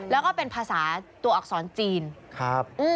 แล้วก็เป็นภาษาตัวอักษรจีนครับ